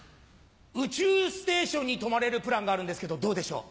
宇宙ステーションに泊まれるプランがあるんですけどどうでしょう？